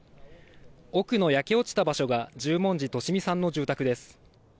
奥の焼け落ちた場所が十文字利美さんの住宅です。